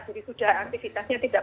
jadi sudah aktivitasnya tiba tiba